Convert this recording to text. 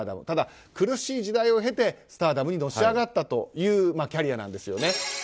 ただ、苦しい時代を経てスターダムにのし上がったというキャリアなんですよね。